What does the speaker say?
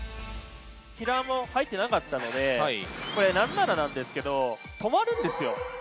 キラーも入ってなかったのでこれなんならなんですけど止まるんですよ。